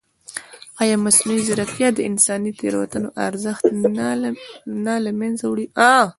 ایا مصنوعي ځیرکتیا د انساني تېروتنو ارزښت نه له منځه وړي؟